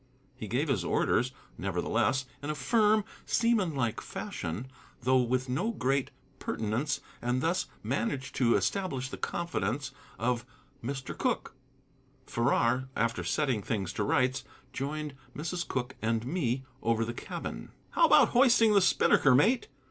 He gave his orders, nevertheless, in a firm, seamanlike fashion, though with no great pertinence, and thus managed to establish the confidence of Mr. Cooke. Farrar, after setting things to rights, joined Mrs. Cooke and me over the cabin. "How about hoisting the spinnaker, mate?"